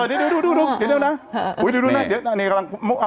เดี๋ยวนะหนีดูดูนะ